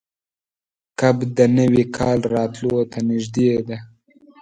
کب د نوي کال راتلو ته نږدې ده.